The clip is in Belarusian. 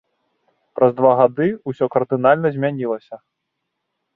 Праз два гады ўсё кардынальна змянілася.